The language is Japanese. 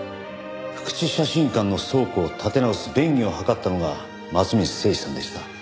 福地写真館の倉庫を建て直す便宜を図ったのが松水誠二さんでした。